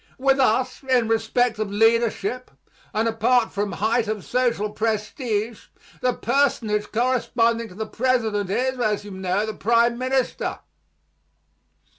With us, in respect of leadership, and apart from height of social prestige, the personage corresponding to the president is, as you know, the prime minister.